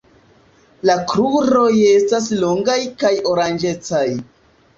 La kruroj estas longaj kaj oranĝecaj.